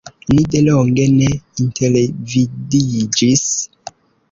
Ni delonge ne intervidiĝis.